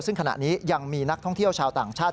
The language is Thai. ซึ่งขณะนี้ยังมีนักท่องเที่ยวชาวต่างชาติ